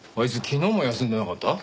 昨日も休んでなかった？